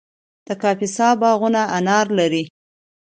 د کاپیسا باغونه انار لري.